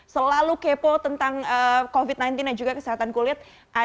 selalu kepo tentang covid sembilan belas dan juga kesehatan kulit